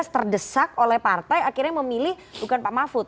dua ribu sembilan belas terdesak oleh partai akhirnya memilih bukan pak mafud